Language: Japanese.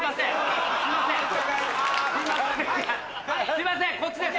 すいませんこっちです。